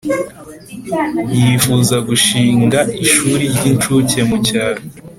yifuza gushinga ishuri ry incuke mu cyaro